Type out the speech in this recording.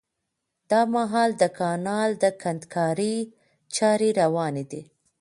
دا مهال د کانال د کندنکارۍ چاري رواني دي